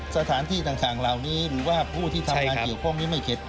สถานที่ต่างเหล่านี้หรือว่าผู้ที่ทำงานเกี่ยวข้องนี้ไม่เข็ด